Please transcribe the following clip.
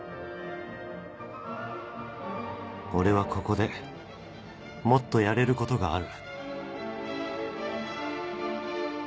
［俺はここでもっとやれることがある］